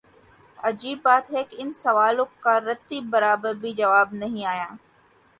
عجیب بات ہے کہ ان سوالوں کا رتی برابر بھی جواب نہیںآیا۔